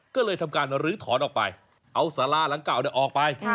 ก็เลยทำการลื้อถอนออกไปเอาสาราหลังเก่าออกไป